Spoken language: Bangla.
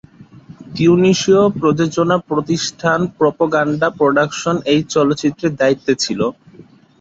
তিউনিসীয় প্রযোজনা প্রতিষ্ঠান প্রোপাগান্ডা প্রোডাকশন এই চলচ্চিত্রের দায়িত্বে ছিল।